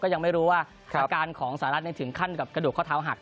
ยังไม่รู้ว่าอาการของสหรัฐถึงขั้นกับกระดูกข้อเท้าหัก